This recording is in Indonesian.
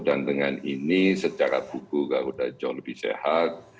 dan dengan ini secara buku garuda jauh lebih sehat